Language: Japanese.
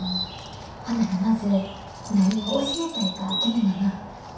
ほんならまず何を教えたいか決めなな。